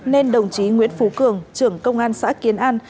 nên đồng chí nguyễn phú cường trưởng công an xã kiến an